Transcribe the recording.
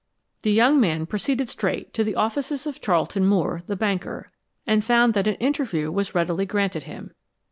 The young man proceeded straight to the offices of Charlton Moore, the banker, and found that an interview was readily granted him.